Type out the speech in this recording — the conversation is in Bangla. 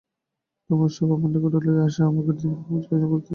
তুমি ঐ শব আমার নিকটে লইয়া আইস আমি ইতিমধ্যে পূজার আয়োজন করিতেছি।